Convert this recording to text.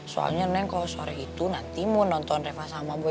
soalnya neng kalau sore itu nanti mau nonton reva sama gue